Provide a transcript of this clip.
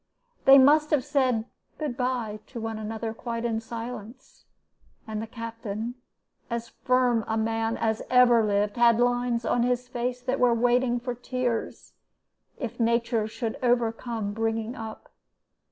They must have said 'Good by' to one another quite in silence, and the Captain, as firm a man as ever lived, had lines on his face that were waiting for tears, if nature should overcome bringing up.